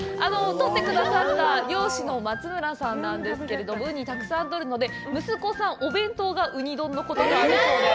とってくださった漁師の松村さんなんですけれども、ウニたくさんとるので、息子さん、お弁当がウニ丼のことがあるそうで。